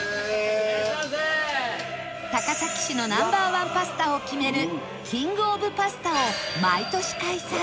高崎市の Ｎｏ．１ パスタを決めるキングオブパスタを毎年開催